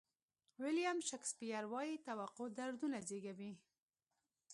ویلیام شکسپیر وایي توقع دردونه زیږوي.